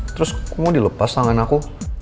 terus mau dilepas tangan aku